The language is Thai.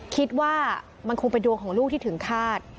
คิดว่ามันคงเป็นดวงของลูกที่ถึงคาด